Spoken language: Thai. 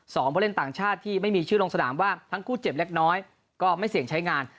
ผู้เล่นต่างชาติที่ไม่มีชื่อลงสนามว่าทั้งคู่เจ็บเล็กน้อยก็ไม่เสี่ยงใช้งาน